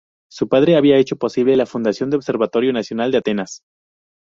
Su padre había hecho posible la fundación del Observatorio Nacional de Atenas.